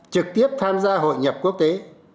trực tiếp tham gia hội nhập quốc tế